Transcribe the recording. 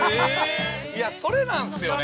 ◆いや、それなんすよね